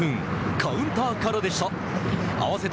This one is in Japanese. カウンターからでした。